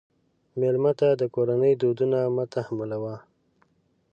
مېلمه ته د کورنۍ دودونه مه تحمیلوه.